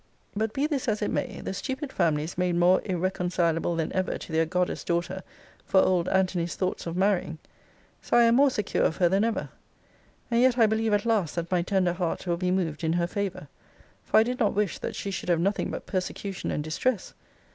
But be this as it may, the stupid family is made more irreconcilable than ever to their goddess daughter for old Antony's thoughts of marrying: so I am more secure of her than ever. And yet I believe at last, that my tender heart will be moved in her favour. For I did not wish that she should have nothing but persecution and distress.